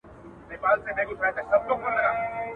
چي مجبور یې قلندر په کرامت کړ.